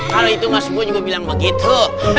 kalau itu mas bu juga bilang begitu